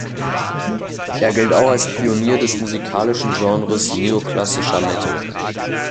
Er gilt auch als Pionier des musikalischen Genres Neoklassischer Metal.